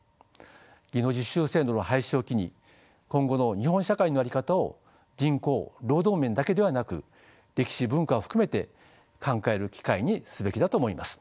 技能実習制度の廃止を機に今後の日本社会の在り方を人口労働面だけではなく歴史文化を含めて考える機会にすべきだと思います。